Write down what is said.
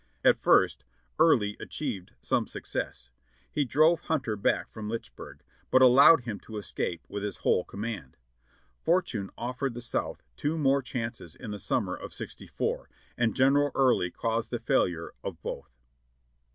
At first Early achieved some success. He drove Hunter back from Lynchburg, but allowed him to escape with his whole com mand. Fortune offered the South two more chances in the summer of sixty four, and General Early caused the failure of both.